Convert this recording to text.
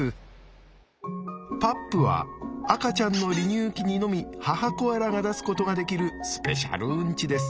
パップは赤ちゃんの離乳期にのみ母コアラが出すことができるスペシャルウンチです。